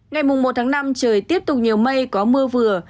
ngày một tháng năm trời tiếp tục nhiều mây có mưa vừa